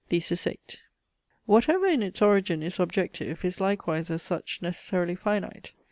THESIS VIII Whatever in its origin is objective, is likewise as such necessarily finite.